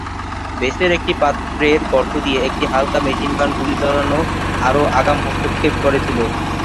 বেসের একটি পাত্রের গর্ত দিয়ে একটি হালকা মেশিনগান গুলি চালানো আরও আগাম হস্তক্ষেপ করছিল।